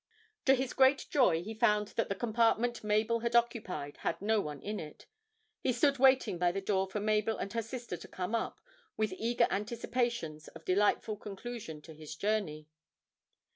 To his great joy he found that the compartment Mabel had occupied had no one in it; he stood waiting by the door for Mabel and her sister to come up, with eager anticipations of a delightful conclusion to his journey.